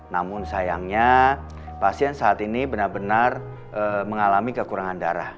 namun sayangnya pasien saat ini benar benar mengalami kekurangan darah